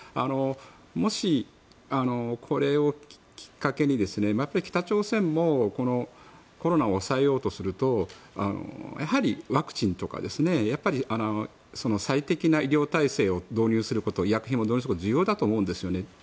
もし、これをきっかけに北朝鮮もコロナを抑えようとするとやはりワクチンとか最適な医療体制を導入すること医薬品を導入すること重要だと思うんですよね。